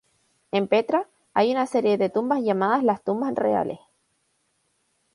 En Petra, hay una serie de tumbas llamadas las Tumbas Reales.